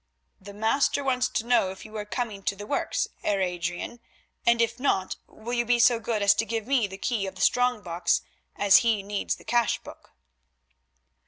"The master wants to know if you are coming to the works, Heer Adrian, and if not will you be so good as to give me the key of the strong box as he needs the cash book."